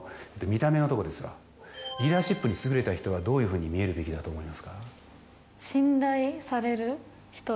見た目のとこですわリーダーシップに優れた人はどういうふうに見えるべきだと思いますか？